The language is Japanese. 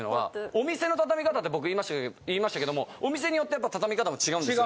お店の畳み方って僕言いましたけどもお店によってやっぱ畳み方も違うんですよ。